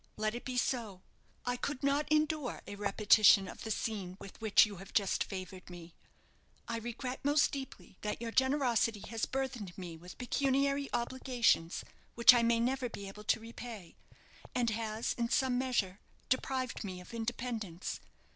Let it be so. I could not endure a repetition of the scene with which you have just favoured me. I regret most deeply that your generosity has burthened me with, pecuniary obligations which I may never be able to repay, and has, in some measure, deprived me of independence.